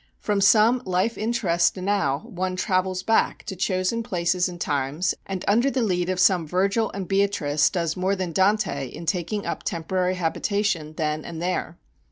From some life interest now one travels back to chosen places and times, and under the lead of some Virgil and Beatrice does more than Dante in taking up temporary habitation then and there.